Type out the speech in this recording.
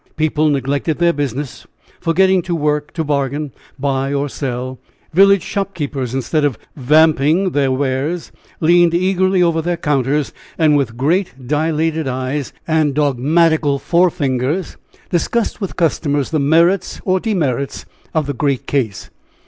People neglected their business, forgetting to work, to bargain, buy or sell. Village shopkeepers, instead of vamping their wares, leaned eagerly over their counters, and with great dilated eyes and dogmatical forefingers, discussed with customers the merits or demerits of the great case.